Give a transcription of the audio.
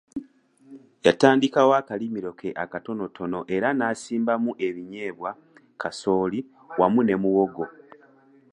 Yatandikawo akalimiro ke akatonotono era n'asimbamu ebinyeebwa, kasooli awamu ne muwogo.